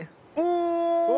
お！